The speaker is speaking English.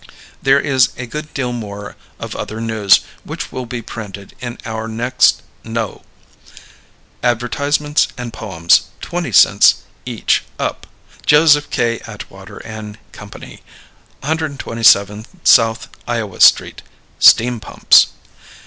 There is a good deal more of other news which will be printed in our next NO. Advertisements & Poems 20 Cents Each Up. JOSEPH K. ATWATER & CO. 127 South Iowa St, Steam Pumps.